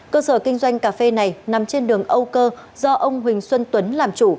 cơ sở kinh doanh cà phê này nằm trên đường âu cơ do ông huỳnh xuân tuấn làm chủ